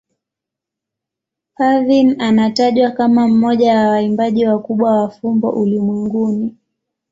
Parveen anatajwa kama mmoja wa waimbaji wakubwa wa fumbo ulimwenguni.